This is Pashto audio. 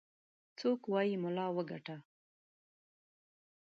څوك وايي ملا وګاټه.